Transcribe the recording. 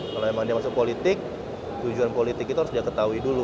kalau emang dia masuk politik tujuan politik itu harus dia ketahui dulu